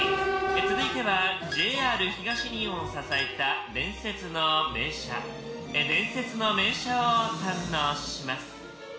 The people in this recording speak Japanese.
続いてはＪＲ東日本を支えた伝説の名車伝説の名車を堪能します。